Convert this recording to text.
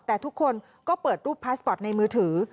แต่ทุกคนก็เปิดรูปพาสปอร์ตในมือถือ